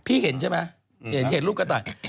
เห็นใช่ไหมเห็นลูกกระต่าย